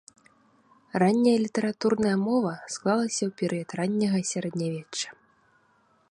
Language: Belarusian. Ранняя літаратурная мова склалася ў перыяд ранняга сярэднявечча.